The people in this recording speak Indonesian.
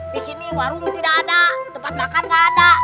disini warung tidak ada tempat makan gak ada